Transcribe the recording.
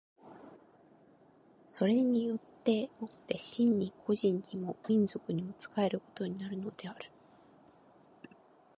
それによって却って真に個人にも民族にも仕えることになるのである。